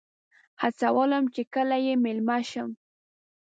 هڅولم چې کله یې میلمه شم.